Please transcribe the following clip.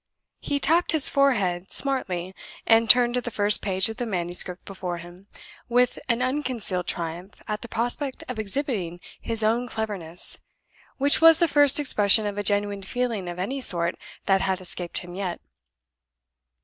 He tapped his forehead smartly, and turned to the first page of the manuscript before him, with an unconcealed triumph at the prospect of exhibiting his own cleverness, which was the first expression of a genuine feeling of any sort that had escaped him yet.